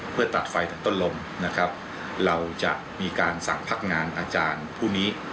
เพื่อตัดไฟตะต้นลมเราจะมีการสั่งพักงานอาจารย์พรุ่งนี้